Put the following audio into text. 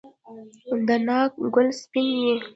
د ناک ګل سپین وي؟